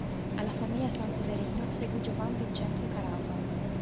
Alla famiglia Sanseverino seguì Giovan Vincenzo Carafa.